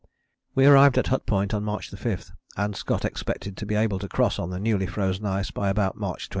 We arrived at Hut Point on March 5 and Scott expected to be able to cross on the newly frozen ice by about March 21.